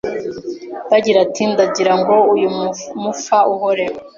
Bagira, ati ndagira ngo uyu mufa uhore